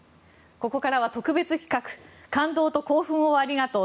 ここからは特別企画感動と興奮をありがとう！